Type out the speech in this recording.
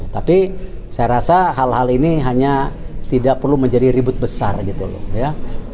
tapi saya rasa hal hal ini hanya tidak perlu menjadi ribut besar gitu loh ya